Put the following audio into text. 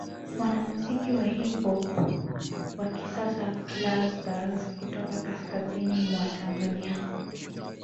Wanamuziki wa Hip Hop wa kisasa Plastaz kutoka kaskazini mwa Tanzania